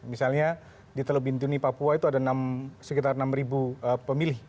misalnya di teluk bintuni papua itu ada sekitar enam pemilih